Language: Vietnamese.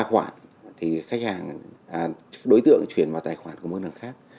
ba khoản thì khách hàng đối tượng chuyển vào tài khoản của mức năng khác